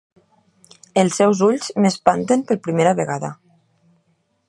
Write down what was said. Els seus ulls m'espanten per primera vegada.